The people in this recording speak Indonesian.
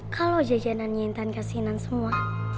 kalau jajanan nyintan kesinan semua